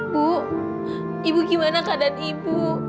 bu ibu gimana keadaan ibu